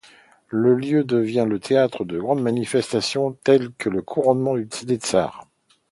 Le lieu devient le théâtre de grandes manifestations telles que le couronnement des tsars.